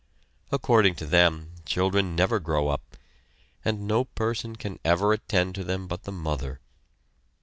According to them, children never grow up, and no person can ever attend to them but the mother.